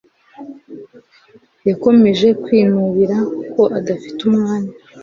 yakomeje kwinubira ko adafite umwanya